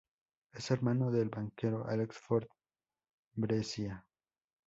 Es hermano del banquero Alex Fort Brescia.